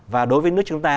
và đối với nước chúng ta